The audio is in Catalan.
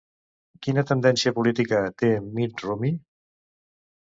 Quina tendència política té Mitt Rommey?